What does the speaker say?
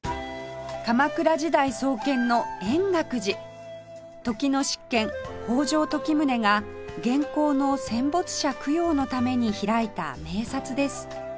鎌倉時代創建の円覚寺時の執権北条時宗が元寇の戦没者供養のために開いた名刹です